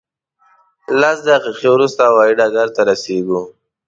لس دقیقې وروسته هوایي ډګر ته رسېږو.